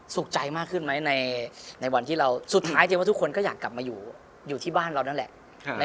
สุขใจมากขึ้นไหมในวันที่เราสุดท้ายเจ๊ว่าทุกคนก็อยากกลับมาอยู่ที่บ้านเรานั่นแหละ